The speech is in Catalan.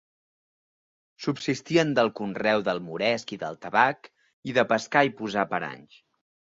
Subsistien del conreu del moresc i del tabac, i de pescar i posar paranys.